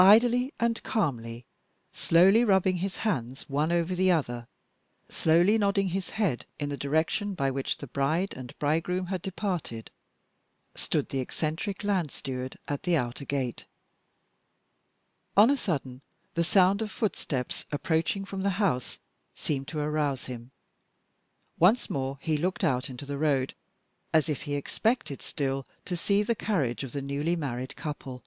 Idly and calmly, slowly rubbing his hands one over the other, slowly nodding his head in the direction by which the bride and bridegroom had departed, stood the eccentric land steward at the outer gate. On a sudden the sound of footsteps approaching from the house seemed to arouse him. Once more he looked out into the road, as if he expected still to see the carriage of the newly married couple.